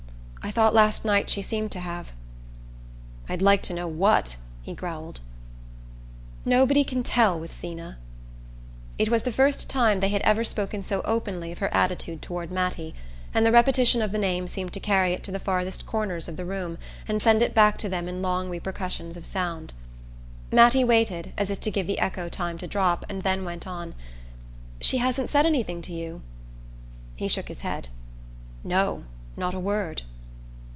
I thought last night she seemed to have." "I'd like to know what," he growled. "Nobody can tell with Zeena." It was the first time they had ever spoken so openly of her attitude toward Mattie, and the repetition of the name seemed to carry it to the farther corners of the room and send it back to them in long repercussions of sound. Mattie waited, as if to give the echo time to drop, and then went on: "She hasn't said anything to you?" He shook his head. "No, not a word."